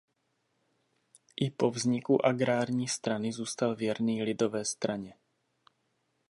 I po vzniku agrární strany zůstal věrný lidové straně.